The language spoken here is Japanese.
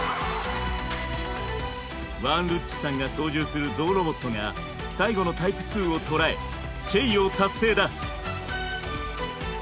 ワーンルッチさんが操縦するゾウロボットが最後のタイプ２をとらえチェイヨー達成だ。